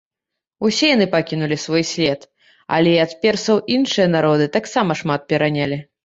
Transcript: Усе яны пакінулі свой след, але і ад персаў іншыя народы таксама шмат перанялі.